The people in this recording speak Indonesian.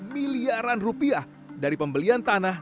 miliaran rupiah dari pembelian tanah